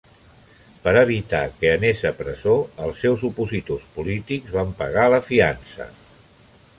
Per evitar que anés a presó, els seus opositors polítics van pagar la fiança.